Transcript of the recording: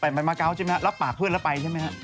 ครับไปมะเก้าใช่ไหมฮะลับปากเพื่อนแล้วไปใช่ไหมฮะ